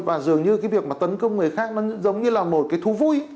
và dường như cái việc mà tấn công người khác nó giống như là một cái thú vui